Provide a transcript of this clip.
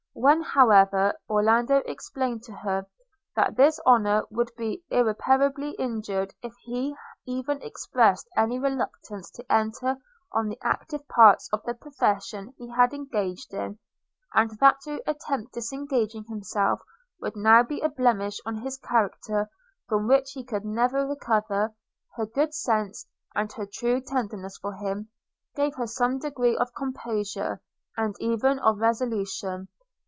When, however, Orlando explained to her, that this honour would be irreparably injured if he even expressed any reluctance to enter on the active parts of the profession he had engaged in, and that to attempt disengaging himself now would be a blemish on his character from which he could never recover, her good sense, and her true tenderness for him, gave her some degree of composure, and even of resolution.